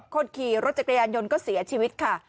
คนขี่รถจักรยานยนต์ก็เสียชีวิตค่ะ